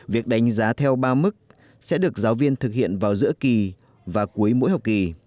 việc đánh giá theo ba mức sẽ được giáo viên thực hiện vào giữa kỳ và cuối mỗi học kỳ